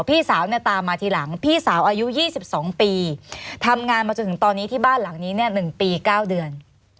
พี่สาวเนี่ยตามมาทีหลังพี่สาวอายุ๒๒ปีทำงานมาจนถึงตอนนี้ที่บ้านหลังนี้เนี่ย๑ปี๙เดือน